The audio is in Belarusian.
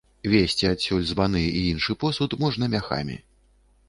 Везці адсюль збаны і іншы посуд можна мяхамі.